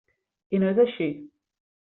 I no és així.